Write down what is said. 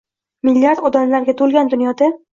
Milliard odamlarga to‘lgan dunyoda